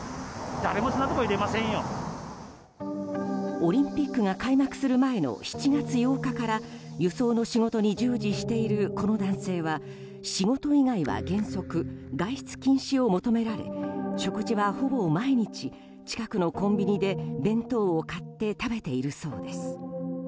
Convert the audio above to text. オリンピックが開幕する前の７月８日から輸送の仕事に従事しているこの男性は仕事以外は原則、外出禁止を求められ食事はほぼ毎日近くのコンビニで弁当を買って食べているそうです。